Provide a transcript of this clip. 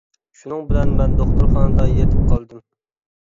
شۇنىڭ بىلەن مەن دوختۇرخانىدا يېتىپ قالدىم.